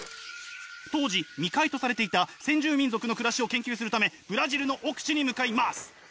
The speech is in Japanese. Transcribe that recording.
当時未開とされていた先住民族の暮らしを研究するためブラジルの奥地に向かいます！